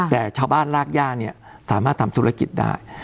แต่ชาวบ้านรากย่าเนี่ยสามารถทำธุรกิจได้